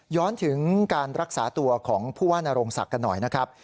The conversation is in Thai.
ถึงการรักษาตัวของผู้ว่านโรงศักดิ์กันหน่อยนะครับ